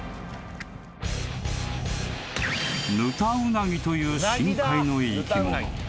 ［ヌタウナギという深海の生き物］